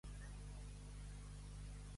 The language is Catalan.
Penàguila, poble sense vergonya.